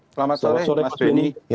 selamat sore mas rini